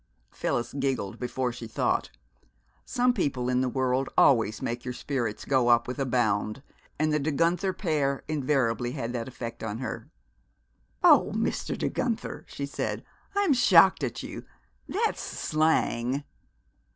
'" Phyllis giggled before she thought. Some people in the world always make your spirits go up with a bound, and the De Guenther pair invariably had that effect on her. "Oh, Mr. De Guenther!" she said, "I am shocked at you! That's slang!"